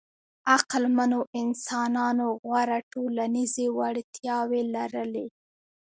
عقلمنو انسانانو غوره ټولنیزې وړتیاوې لرلې.